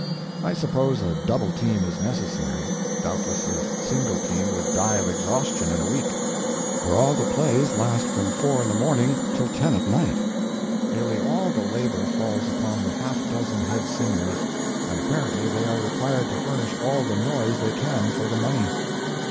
I suppose a double team is necessary; doubtless a single team would die of exhaustion in a week, for all the plays last from four in the afternoon till ten at night. Nearly all the labor falls upon the half dozen head singers, and apparently they are required to furnish all the noise they can for the money.